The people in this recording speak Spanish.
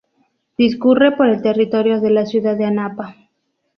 Discurre por el territorio de la ciudad de Anapa.